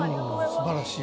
素晴らしい。